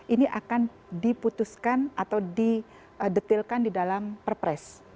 ini akan diputuskan atau didetilkan di dalam perpres